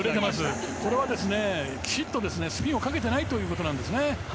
これはきちんとスピンをかけてないということですね。